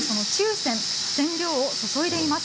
染料を注いでいます。